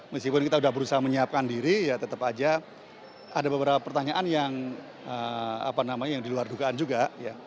meskipun kita sudah berusaha menyiapkan diri ya tetap aja ada beberapa pertanyaan yang diluar dugaan juga